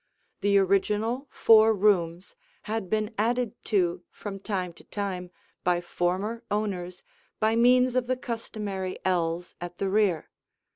The original four rooms had been added to from time to time by former owners by means of the customary ells at the rear.